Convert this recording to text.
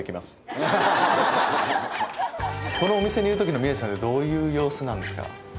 このお店にいる時の宮治さんってどういう様子なんですか？